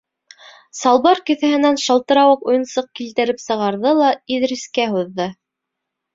Салбар кеҫәһенән шалтырауыҡ уйынсыҡ килтереп сығарҙы ла Иҙрискә һуҙҙы.